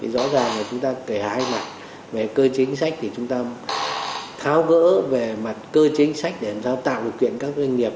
rõ ràng là chúng ta kể hai mặt về cơ chính sách thì chúng ta tháo gỡ về mặt cơ chính sách để làm sao tạo được chuyện các doanh nghiệp